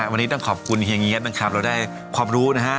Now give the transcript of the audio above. วันนี้ต้องขอบคุณเฮียเฮียดบ้างครับเราได้ความรู้นะฮะ